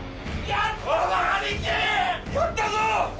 やったぞ！